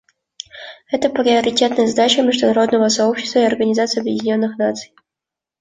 Это приоритетная задача международного сообщества и Организации Объединенных Наций.